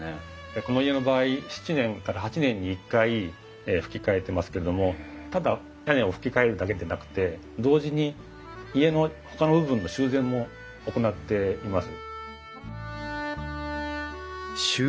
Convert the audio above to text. この家の場合７年から８年に一回ふき替えてますけれどもただ屋根をふき替えるだけでなくて同時に家のほかの部分の修繕も行っています。